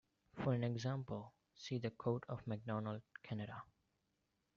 For an example see the coat of Macdonald, Canada.